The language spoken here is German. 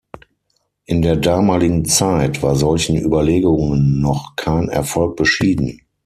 In der damaligen Zeit war solchen Überlegungen noch kein Erfolg beschieden.